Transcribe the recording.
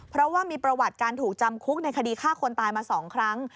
เพราะว่ามีประวัติการถูกจำคุกในคดีฆ่าคนตายมา๒ครั้ง